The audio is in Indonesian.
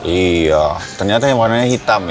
iya ternyata yang warnanya hitam ya